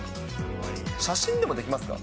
写真でもできますか？